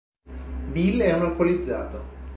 Bill è un alcolizzato.